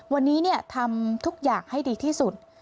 วันนี้ทำทุกอย่างให้ดีที่สุด